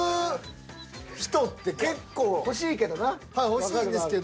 欲しいんですけど。